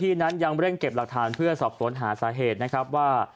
นั้นยังเร่งเก็บหลักฐานเพื่อสอบสวนหาสาเหตุนะครับว่า